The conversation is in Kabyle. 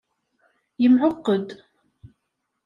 Yemɛuqq-d.